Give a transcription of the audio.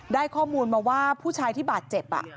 ได้ข้อมูลมาว่าผู้ชายที่บาดเจ็บ